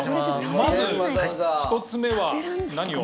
まず１つ目は何を？